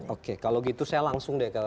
oke kalau gitu saya langsung deh ke